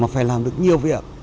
mà phải làm được những cái bài học